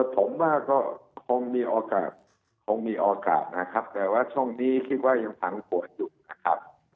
ผมว่าก็คงมีโอกาสคงมีโอกาสนะครับแต่ว่าช่วงนี้คิดว่ายังผันปวดอยู่นะครับ